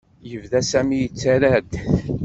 Yebda Sami yettarra-d.